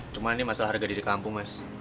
cuma ini masalah harga diri kampung mas